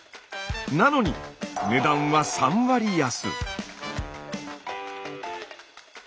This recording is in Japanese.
なのに値段は３割安。